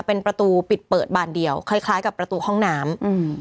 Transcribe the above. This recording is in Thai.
เป็นประตูปิดเปิดบานเดียวคล้ายคล้ายกับประตูห้องน้ำอืม